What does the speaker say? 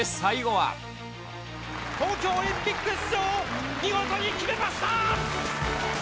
東京オリンピック出場を見事に決めました。